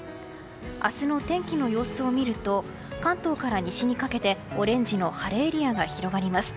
明日の天気の様子を見ると関東から西にかけて、オレンジの晴れエリアが広がります。